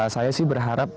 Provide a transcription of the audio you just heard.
saya sih berharap